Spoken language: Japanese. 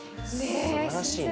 すばらしいね。